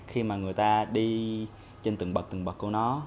khi mà người ta đi trên từng bậc từng bậc của nó